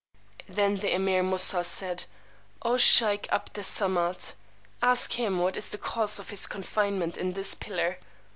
Then the Emeer Moosà said, O sheykh 'Abd Es Samad, ask him what is the cause of his confinement in this pillar.